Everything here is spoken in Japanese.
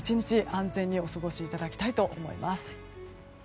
安全にお過ごしいただきたいと思います。